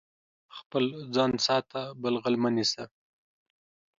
خپل ځان ساته، بل غل مه نيسه.